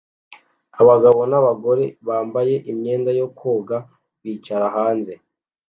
Abagabo n'abagore bambaye imyenda yo koga bicara hanze